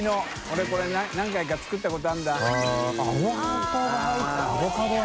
俺これ何回か作ったことあるんだ中澤）